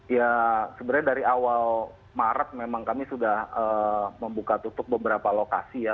ya sebenarnya dari awal maret memang kami sudah membuka tutup beberapa lokasi ya